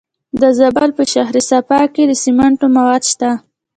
د زابل په شهر صفا کې د سمنټو مواد شته.